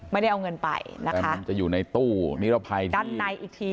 ไม่ได้เอาเงินไปนะคะมันจะอยู่ในตู้นิรภัยด้านในอีกที